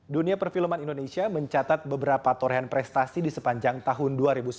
dunia perfilman indonesia mencatat beberapa torehan prestasi di sepanjang tahun dua ribu sembilan belas